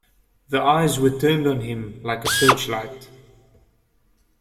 The eyes were turned on him like a searchlight.